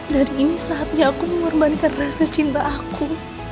dan ini saatnya aku mengorbankan rasa cinta aku